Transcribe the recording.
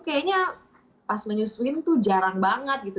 kayaknya pas menyusuin tuh jarang banget gitu